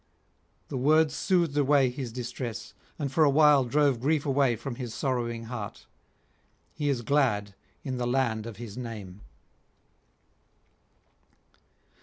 The words soothed away his distress, and for a while drove grief away from his sorrowing heart; he is glad in the land of his name.